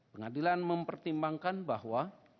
pengadilan mempertimbangkan bahwa